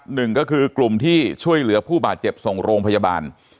หนึ่งก็คือกลุ่มที่ช่วยเหลือผู้บาดเจ็บส่งโรงพยาบาล